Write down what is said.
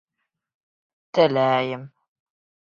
Теләйем...